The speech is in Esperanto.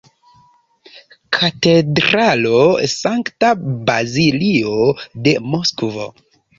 Katedralo Sankta Bazilio de Moskvo.